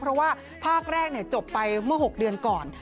เพราะว่าภาคแรกจบไปเมื่อ๖เดือนก่อน